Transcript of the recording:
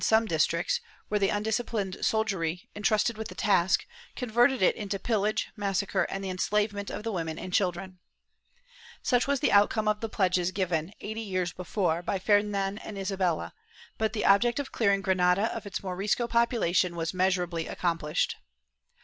— Mcndoza, p. 92. 340 MORISCOS [Book VIII districts, where the undisciplined soldiery, entrusted with the task, converted it into pillage, massacre and the enslavement of the women and children.^ Such was the outcome of the pledges given, eighty years before, by Ferdinand and Isabella, but the object of clearing Granada of its Morisco population was measur ably accomplished.